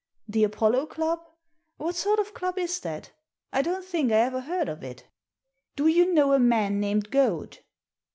The Apollo Club? What sort of club is that? I don't think I ever heard of it" " Do you know a man named Goad